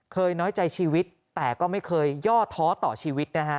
น้อยใจชีวิตแต่ก็ไม่เคยย่อท้อต่อชีวิตนะฮะ